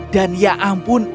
dan ya ampun